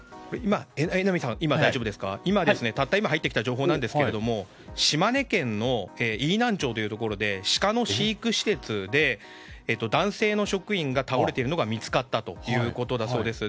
榎並さん、たった今入ってきた情報なんですが島根県で飯南町というところでシカの飼育施設で男性の職員が倒れているのが見つかったということだそうです。